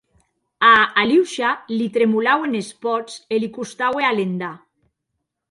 A Aliosha li tremolauen es pòts e li costaue alendar.